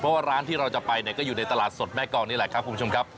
เพราะว่าร้านที่เราจะไปเนี่ยก็อยู่ในตลาดสดแม่กองนี่แหละครับคุณผู้ชมครับ